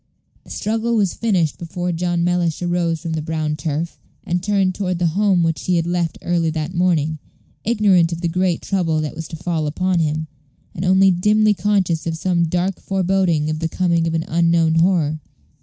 The struggle was finished before John Mellish arose from the brown turf, and turned toward the home which he had left early that morning, ignorant of the great trouble that was to fall upon him, and only dimly conscious of some dark foreboding of the coming of an unknown horror.